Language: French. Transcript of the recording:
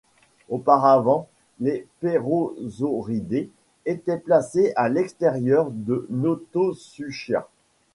Auparavant, les peirosauridés étaient placés à l'extérieur de Notosuchia.